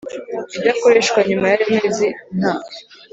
idakoreshwa Nyuma y ayo mezi nta